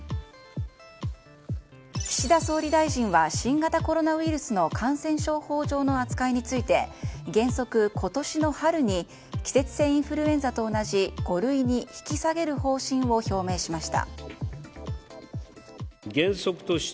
岸田総理大臣は新型コロナウイルスの感染症法上の扱いについて原則、今年の春に季節性インフルエンザと同じ五類に引き下げる方針を表明しました。